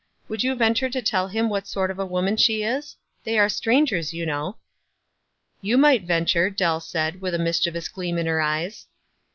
Would you venture to tell him what sort of a woman she is? They are strangers, you know." "You might venture," Dell said, with a mis chievous gleam in her eyes.